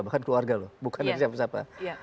bahkan keluarga loh bukan dari siapa siapa